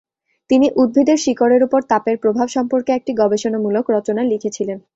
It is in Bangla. তিনি উদ্ভিদের শিকড়ের উপর তাপের প্রভাব সম্পর্কে একটি গবেষণামূলক রচনা লিখেছিলেন।